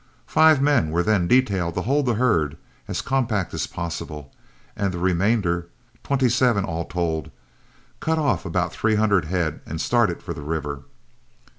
Five men were then detailed to hold the herd as compact as possible, and the remainder, twenty seven all told, cut off about three hundred head and started for the river.